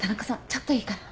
ちょっといいかな。